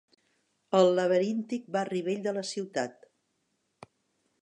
El laberíntic barri vell de la ciutat.